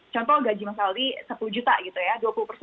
contoh gaji mas aldi sepuluh juta gitu ya